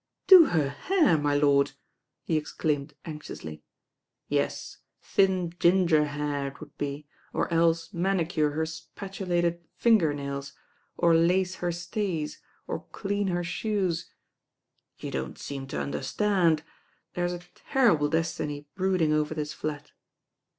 ^|Do her hair, my lord I" he exclaimed anxiously. 'Yes, thin ginger hair, it would be, or else mani cure her spatulated finger nails, or lace her stays, or clean her shoes. You don't seem to understand. There's a terrible destiny brooding over this flat.'